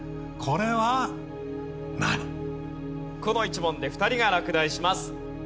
この１問で２人が落第します。